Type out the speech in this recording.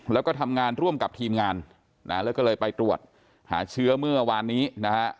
แล้วก็ทำงานร่วมกับทีมงานนะแล้วก็เลยไปตรวจหาเชื้อเมื่อวานนี้นะฮะ